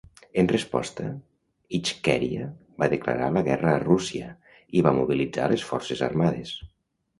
En resposta, Itxkèria va declarar la guerra a Rússia i va mobilitzar les forces armades.